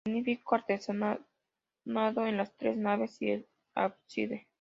Magnífico artesonado en las tres naves y el ábside.